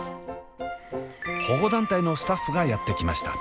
保護団体のスタッフがやって来ました。